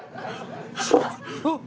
あっ！